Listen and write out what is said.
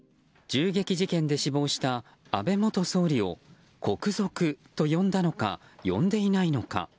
銃撃事件で死亡した安倍元総理を国賊と呼んだのか呼んでいないのか。